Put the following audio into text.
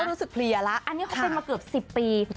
อันนี้ก็เป็นมาเกือบ๑๐ปี